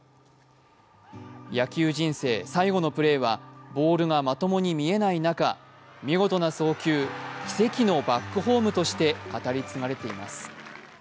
野球人生最後のプレーはボールがまともに見えない中、見事な送球、奇跡のバックホームとして語り継がれています